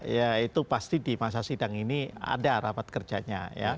ya itu pasti di masa sidang ini ada rapat kerjanya